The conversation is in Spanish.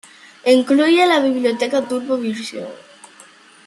Incluye la Biblioteca Turbo Vision.